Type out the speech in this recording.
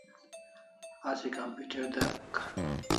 Asi computer dyek